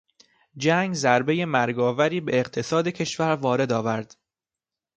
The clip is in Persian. جنگ ضربهی مرگ آوری به اقتصاد کشور وارد آورد.